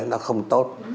nó không tốt